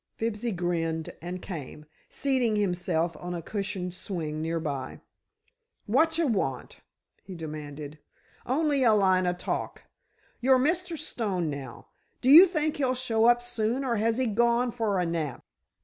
Fibsy grinned and came, seating himself on a cushioned swing nearby. "Whatcha want?" he demanded. "Only a line o' talk. Your Mr. Stone, now, do you think he'll show up soon, or has he gone for a nap?"